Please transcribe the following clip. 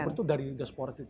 berarti dari diaspora itu